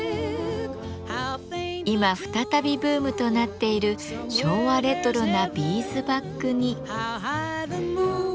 今再びブームとなっている昭和レトロなビーズバッグに。